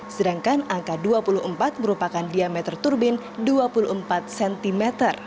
sedangkan angka dua puluh empat merupakan diameter turbin dua puluh empat cm